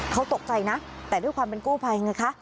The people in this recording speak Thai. เขาตกใจนะแต่ด้วยความเป็นกู้ภัยไงคะ